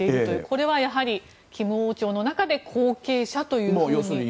これは、やはり金王朝の中で後継者というふうに。